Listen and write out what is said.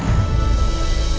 mama mau pergi sekarang al